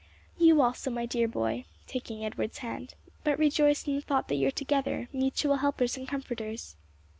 "You also, my dear, dear boy!" taking Edward's hand: "but rejoice in the thought that you are together, mutual helpers and comforters."